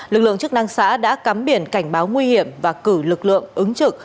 lực lượng chức năng xã đã cắm biển cảnh báo nguy hiểm và cử lực lượng ứng trực